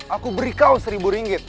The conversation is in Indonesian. aku beri kau seribu ringgit